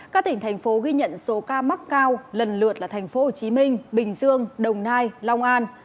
các tỉnh thành phố ghi nhận số ca mắc cao lần lượt là thành phố hồ chí minh bình dương đồng nai long an